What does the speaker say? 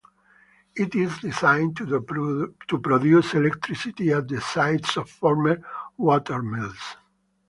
It is designed to produce electricity at the sites of former watermills.